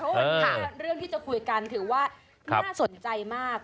เพราะว่าเรื่องที่จะคุยกันถือว่าน่าสนใจมาก